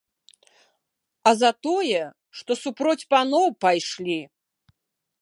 А за тое, што супроць паноў пайшлі!